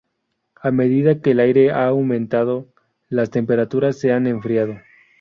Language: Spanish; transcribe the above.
A medida que el aire ha aumentado las temperaturas se han enfriado.